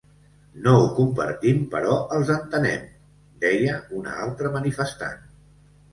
No ho compartim, però els entenem, deia una altra manifestant.